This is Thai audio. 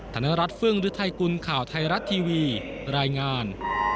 ธนรัฐฟึ่งฤทัยกุลข่าวไทยรัฐทีวีรายงาน